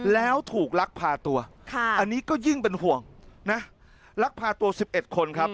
แล้วถูกลักพาตัวอันนี้ก็ยิ่งเป็นห่วงนะลักพาตัว๑๑คนครับ